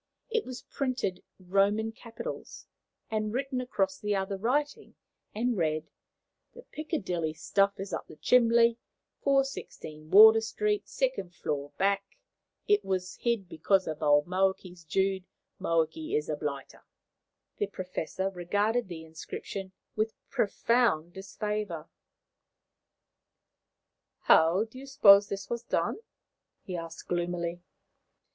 It was in printed Roman capitals, written across the other writing, and read: "THE PICKERDILLEY STUF IS UP THE CHIMBLY 416 WARDOUR ST 2ND FLOUR BACK IT WAS HID BECOS OF OLD MOAKEYS JOOD MOAKEY IS A BLITER." The Professor regarded the inscription with profound disfavour. "How do you suppose this was done?" he asked gloomily.